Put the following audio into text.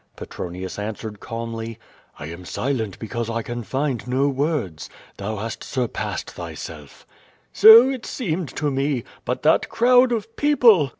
'' Petronius answered calmly: "I am silent because I can find no words. Thou hast sur passed thyself.'' "So it seemed to me. But that crowd of people!